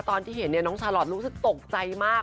ตอนที่เห็นน้องชาลอทรู้สึกตกใจมาก